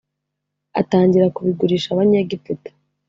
atangira kubigurisha abanyegiputa